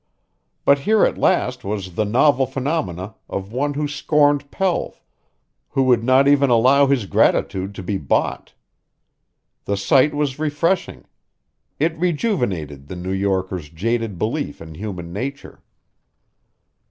But here at last was the novel phenomena of one who scorned pelf, who would not even allow his gratitude to be bought. The sight was refreshing. It rejuvenated the New Yorker's jaded belief in human nature.